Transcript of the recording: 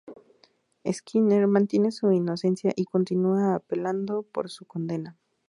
Skinner mantiene su inocencia, y continúa apelando por su condena.